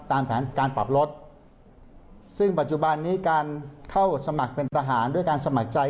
ตามแผนการปรับรถซึ่งปัจจุบันนี้การเข้าสมัครเป็นทหารด้วยการสมัครใจ